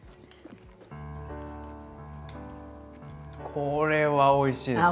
これはおいしいです。